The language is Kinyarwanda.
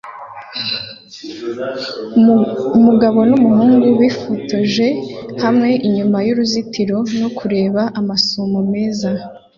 Umugabo n'umuhungu bifotoje hamwe inyuma y'uruzitiro no kureba amasumo meza